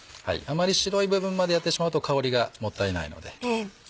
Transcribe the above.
白い部分までやってしまうと香りがもったいないので。